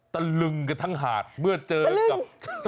ตะลึงกันทั้งหาดเมื่อเจอกับ